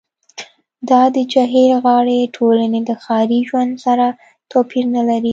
دا د جهیل غاړې ټولنې له ښاري ژوند سره توپیر نلري